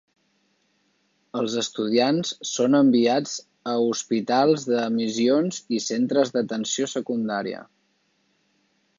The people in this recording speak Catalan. Els estudiants són enviats a hospitals de missions i centres d'atenció secundària.